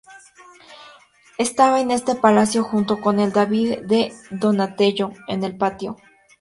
Estaba en este palacio, junto con el "David de Donatello", en el patio.